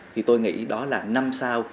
thì tôi nghĩ đó là năm sao